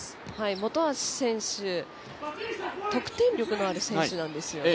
本橋選手、得点力のある選手なんですよね。